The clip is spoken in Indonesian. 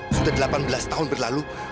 sudah delapan belas tahun berlalu